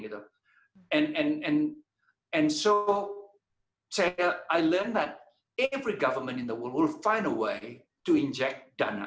dan saya belajar bahwa setiap pemerintah di dunia akan mencari cara untuk menginjek dana